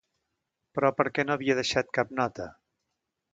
Però, per què no havia deixat cap nota?